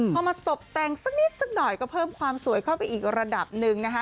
พอมาตบแต่งสักนิดสักหน่อยก็เพิ่มความสวยเข้าไปอีกระดับหนึ่งนะคะ